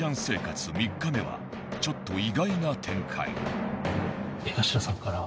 生活３日目はちょっと意外な展開。